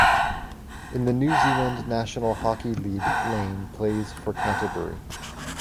In the New Zealand National Hockey League Lane plays for Canterbury.